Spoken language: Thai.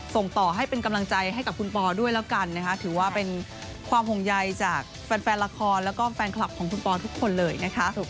ส่งต่อให้เป็นกำลังใจให้กับคุณปอด้วยแล้วกันนะคะถือว่าเป็นความห่วงใยจากแฟนละครแล้วก็แฟนคลับของคุณปอทุกคนเลยนะคะ